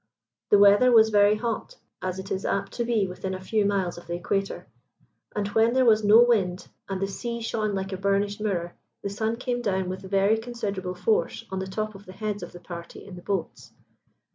The weather was very hot, as it is apt to be within a few miles of the equator; and when there was no wind, and the sea shone like a burnished mirror, the sun came down with very considerable force on the top of the heads of the party in the boats.